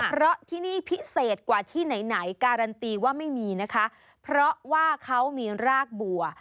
เพราะที่นี่พิเศษกว่าที่ไหนไหนการันตีว่าไม่มีนะคะเพราะว่าเขามีรากบัว